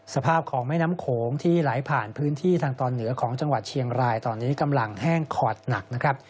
สภาพของแม่น้ำโขงที่ไหลผ่านพื้นที่ทางตอนเหนือของจังหวัดเชียงรายตอนนี้กำลังแห้งขอดหนักนะครับ